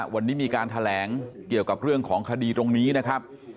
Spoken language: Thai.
วันนี้มีการแถลงเกี่ยวกับเรื่องของคดีตรงนี้นะครับ